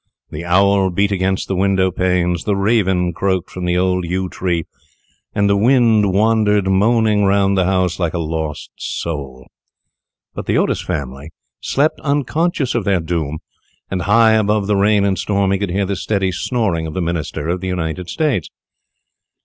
The owl beat against the window panes, the raven croaked from the old yew tree, and the wind wandered moaning round the house like a lost soul; but the Otis family slept unconscious of their doom, and high above the rain and storm he could hear the steady snoring of the Minister for the United States.